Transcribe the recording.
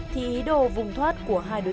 thì đối tượng đã phát hiện được các đối tượng